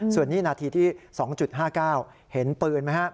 ส่วนนี้นาทีที่๒๕๙เห็นปืนไหมครับ